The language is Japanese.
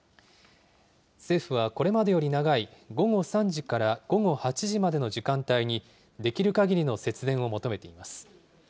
政府はこれまでより長い午後３時から午後８時までの時間帯にできるかぎりの節電を求めています。